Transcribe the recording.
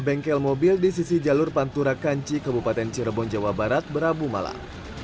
bengkel mobil di sisi jalur pantura kanci kabupaten cirebon jawa barat berabu malam